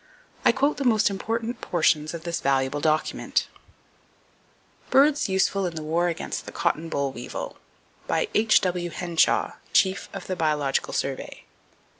I quote the most important portions of this valuable document: Birds Useful In The War Against The Cotton Boll Weevil. By H.W. Henshaw, Chief of the Biological Survey.